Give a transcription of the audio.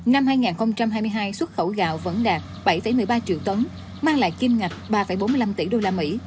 năm hai nghìn hai mươi hai xuất khẩu gạo vẫn đạt bảy một mươi ba triệu tấn mang lại kim ngạch ba bốn mươi năm tỷ usd